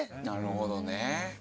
なるほどね。